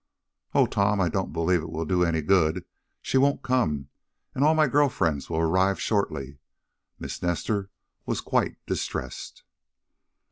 "Oh, Tom, I don't believe it will do any good. She won't come, and all my girl friends will arrive shortly." Miss Nestor was quite distressed.